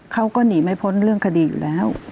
เขาก็หนีไม่พ้นเรื่องคดีอยู่แล้ว